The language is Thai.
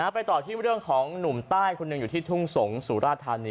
ไปต่อที่เรื่องของหนุ่มใต้คนหนึ่งอยู่ที่ทุ่งสงศ์สุราธานี